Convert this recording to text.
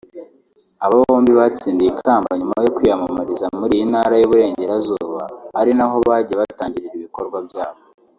Aba bombi batsindiye ikamba nyuma yo kwiyamamariza muri iyi Ntara y’Uburengerazuba ari naho bagiye batangirira ibikorwa byabo